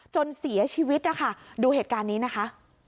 จนเสียชีวิตนะคะดูเหตุการณ์นี้นะคะ